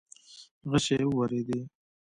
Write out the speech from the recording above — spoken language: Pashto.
غشې وورېدې.